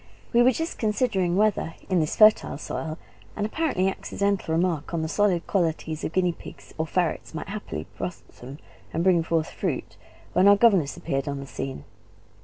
We were just considering whether in this fertile soil an apparently accidental remark on the solid qualities of guinea pigs or ferrets might haply blossom and bring forth fruit, when our governess appeared on the scene.